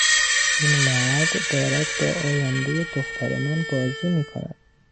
این مرد دارد با آیندهی دختر من بازی میکند.